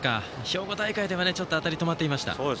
兵庫大会では当たりが止まっていました。